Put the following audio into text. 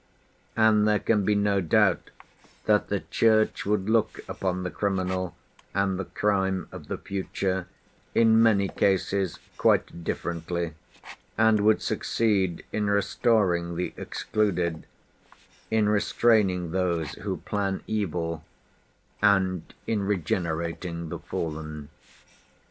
And there can be no doubt that the Church would look upon the criminal and the crime of the future in many cases quite differently and would succeed in restoring the excluded, in restraining those who plan evil, and in regenerating the fallen.